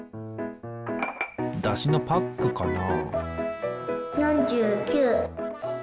だしのパックかな？